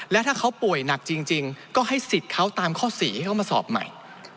และถ้าเขาป่วยหนักจริงก็ให้สิทธิ์เขาตามข้อ๔ให้เขามาสอบใหม่